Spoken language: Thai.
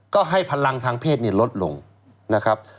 ก็ให้พลังทางเพศลดลงนะครับ